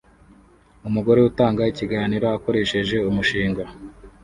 Umugore utanga ikiganiro akoresheje umushinga